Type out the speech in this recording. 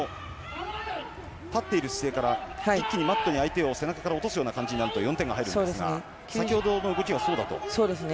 立っている姿勢から一気にマットに背中から落とすような感じになると４点が入るということですが先ほどの動きはそうだと。